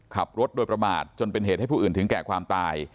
ขับรถโดยประมาทจนเป็นเหตุให้ผู้อื่นถึงแก่ความตาย